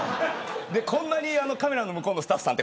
こんなにカメラの向こうのスタッフさん